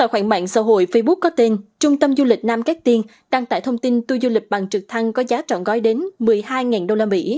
tài khoản mạng xã hội facebook có tên trung tâm du lịch nam cát tiên đăng tải thông tin tour du lịch bằng trực thăng có giá trọn gói đến một mươi hai usd